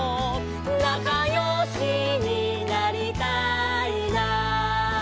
「なかよしになりたいな」